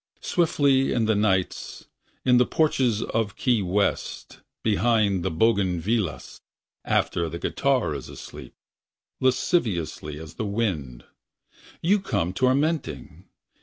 Swiftly in the nights. In the porches of Key West, Behind the bougainvilleas. After the guitar is asleep. Lasciviously as the wind. You come tormenting.